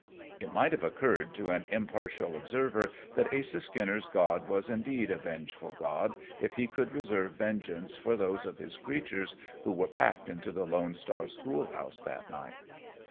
It might have occurred to an impartial observer that Asa Skinner's God was indeed a vengeful God if he could reserve vengeance for those of his creatures who were packed into the Lone Star schoolhouse that night.